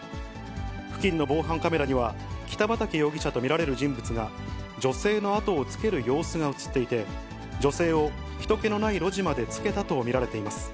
付近の防犯カメラには、北畠容疑者と見られる人物が、女性の後をつける様子が写っていて、女性をひと気のない路地までつけたと見られています。